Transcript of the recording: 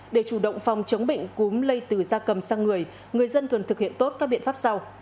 để chủ động phòng chống bệnh cúm lây từ da cầm sang người người dân cần thực hiện tốt các biện pháp sau